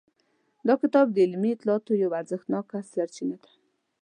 دا کتاب د علمي اطلاعاتو یوه ارزښتناکه سرچینه ده.